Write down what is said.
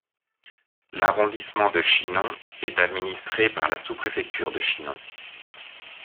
L'Arrondissement de Chinon est administré par la sous-préfecture de Chinon.